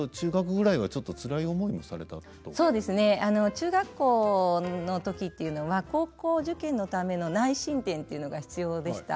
中学校の時っていうのは高校受験のための内申点というのが必要でした。